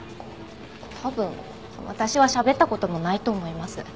多分私はしゃべった事もないと思います。